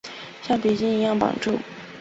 橡皮筋一样绑住